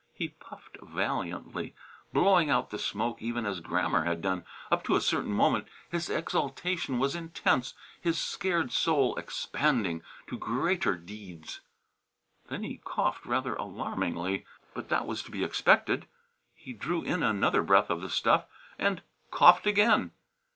He puffed valiantly, blowing out the smoke even as Grammer had done. Up to a certain moment his exaltation was intense, his scared soul expanding to greater deeds. Then he coughed rather alarmingly. But that was to be expected. He drew in another breath of the stuff and coughed again.